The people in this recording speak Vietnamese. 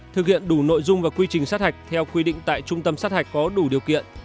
thực hiện đủ nội dung và quy trình sát hạch theo quy định tại trung tâm sát hạch có đủ điều kiện